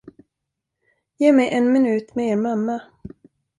Ge mig en minut med er mamma.